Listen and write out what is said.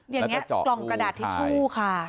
อย่างนี้กล่องกระดาษทิชชู่ค่ะ